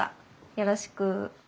よろしく。